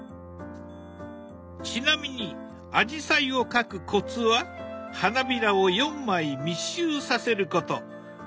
ちなみにあじさいを描くコツは花びらを４枚密集させること。